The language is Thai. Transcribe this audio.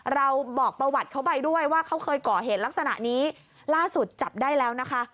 เราบอกประวัติเขาไปด้วยว่าเขาเคยก่อเหตุลักษณะนี้ล่าสุดจับได้แล้วนะคะ